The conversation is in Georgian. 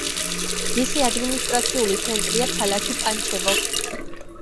მისი ადმინისტრაციული ცენტრია ქალაქი პანჩევო.